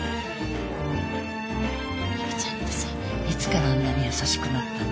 ミキちゃんってさいつからあんなに優しくなったの？